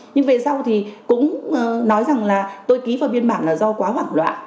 nhưng về sau thì cũng nói rằng là tôi ký vào biên bản là do quá hoảng loạn